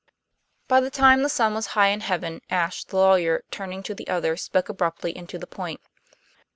By the time the sun was high in heaven Ashe the lawyer, turning to the others, spoke abruptly and to the point.